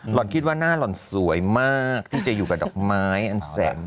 ห่อนคิดว่าหน้าหล่อนสวยมากที่จะอยู่กับดอกไม้อันแสน